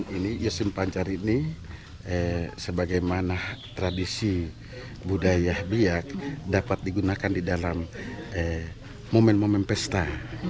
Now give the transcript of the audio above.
ini yasin pancar ini sebagaimana tradisi budaya biak dapat digunakan di dalam momen momen pesta